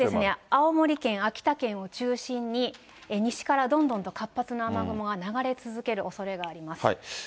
青森県、秋田県を中心に、西からどんどんと活発な雨雲が流れ続けるおそれがあります。